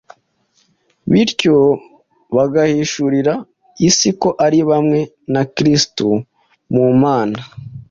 bityo bagahishurira isi ko ari bamwe na Kristo mu Mana.